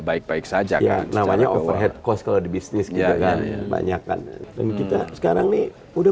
baik baik saja kan namanya overhead cost kalau di bisnis kita kan banyakan dan kita sekarang nih udah